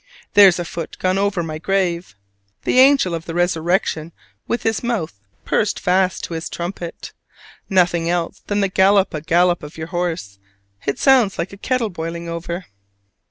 There's a foot gone over my grave! The angel of the resurrection with his mouth pursed fast to his trumpet! Nothing else than the gallop a gallop of your horse: it sounds like a kettle boiling over!